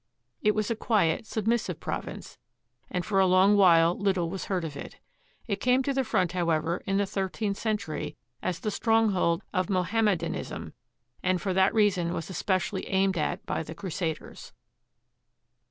It was a quiet, submissive prov ince, and for a long while little was heard of it. It came to the front, however, in the thirteenth century as the strong hold of Mohammedanism, and for that reason was especially aimed at by the crusaders.